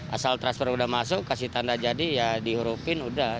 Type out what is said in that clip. asal transfer udah masuk kasih tanda jadi ya dihurufin udah